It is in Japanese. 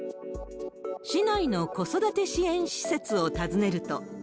市内の子育て支援施設を訪ねると。